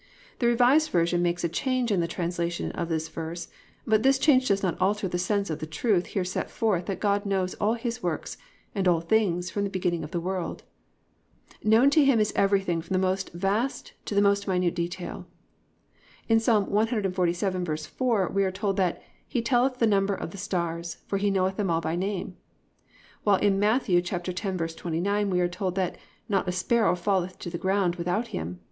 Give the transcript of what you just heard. "+ The Revised Version makes a change in the translation of this verse but this change does not alter the sense of the truth here set forth that God knows all His works and all things from the beginning of the world. Known to Him is everything from the most vast to the most minute detail. In Ps. 147:4 we are told that, +"He telleth the number of the stars; he knoweth them all by name."+ While in Matt. 10:29 we are told that not a sparrow falleth to the ground without Him.